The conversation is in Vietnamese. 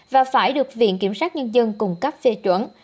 và phải được viện kiểm sát nhân dân cung cấp phê chuẩn